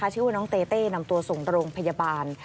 ชื่อว่าน้องเต้นำตัวส่งโรงพยาบาล